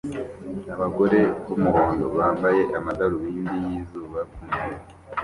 Abagore b'umuhondo bambaye amadarubindi yizuba ku ntebe